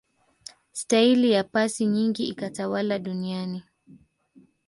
staili ya pasi nyingi ikatawala duniani